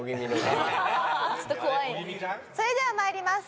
それではまいります。